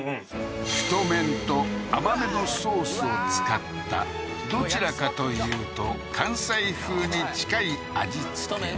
太麺と甘めのソースを使ったどちらかというと関西風に近い味つけ